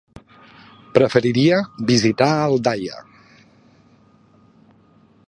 Preferiria visitar Aldaia.